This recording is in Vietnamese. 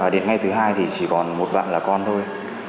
đến ngay thứ hai thì chỉ còn một bạn là con thôi